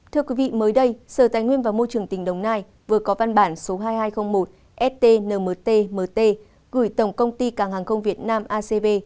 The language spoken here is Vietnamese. thưa quý vị mới đây sở tài nguyên và môi trường tỉnh đồng nai vừa có văn bản số hai nghìn hai trăm linh một stnmtmt gửi tổng công ty càng hàng không việt nam acv